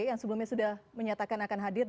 yang sebelumnya sudah menyatakan akan hadir